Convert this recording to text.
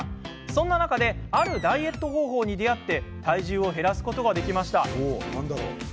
そんな中であるダイエット方法に出会って体重を減らすことができました。